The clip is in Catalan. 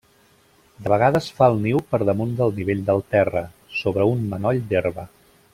De vegades fa el niu per damunt del nivell del terra, sobre un manoll d'herba.